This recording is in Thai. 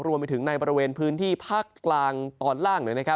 รวมไปถึงในบริเวณพื้นที่ภาคกลางตอนล่าง